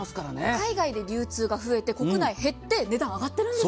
海外で流通が増えて国内は減って値段上がってるんです。